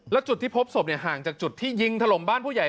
แล้วจุดที่พบศพห่างจากจุดที่ยิงถล่มบ้านผู้ใหญ่